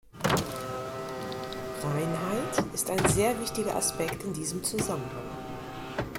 Reinheit ist ein sehr wichtiger Aspekt in diesem Zusammenhang.